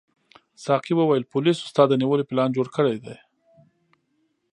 ساقي وویل پولیسو ستا د نیولو پلان جوړ کړی دی.